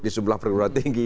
di sebelah peringkat tinggi